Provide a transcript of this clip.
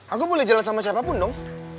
aku boleh jalan sama siapapun dong